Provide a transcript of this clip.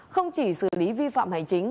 không chỉ xử lý vi phạm hành chính